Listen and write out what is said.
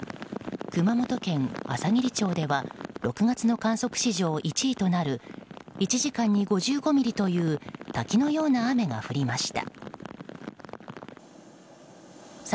熊本県あさぎり町では６月の観測史上１位となる１時間に５５ミリという滝のような雨が降りました。